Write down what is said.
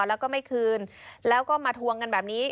แล้วก็ไม่คืนแล้วก็มาทวงกันแบบนี้